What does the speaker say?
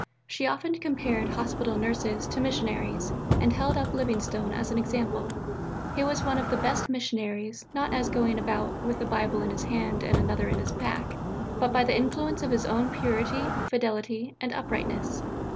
She often compared Hospital Nurses to missionaries, and held up Livingstone as an example. He was one of the best of missionaries, not as going about "with a Bible in his hand and another in his pack," but by the influence of his own purity, fidelity, and uprightness.